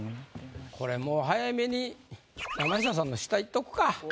これもう早めに山下さんの下いっとくか。